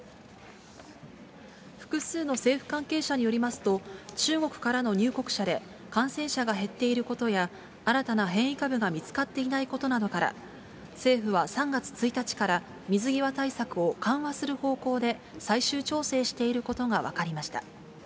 複数の政府関係者によりますと、中国からの入国者で感染者が減っていることや、新たな変異株が見つかっていないことなどから、政府は３月１日から、水際対策を緩和する方向で最終調整していることが分かりました。